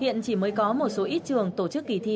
hiện chỉ mới có một số ít trường tổ chức kỳ thi